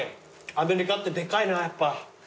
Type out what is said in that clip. アメリカってでかいなやっぱ。